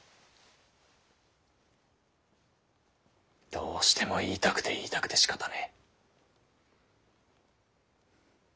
どうしても言いたくて言いたくてしかたねぇ。